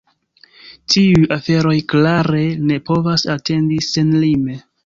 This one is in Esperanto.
Tiuj aferoj klare ne povas atendi senlime.